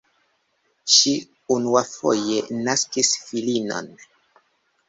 Ŝi unuafoje naskis filinon.